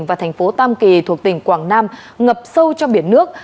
và thành phố tam kỳ thuộc tỉnh quảng nam ngập sâu trong biển nước